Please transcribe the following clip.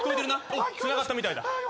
おっつながったみたいだ。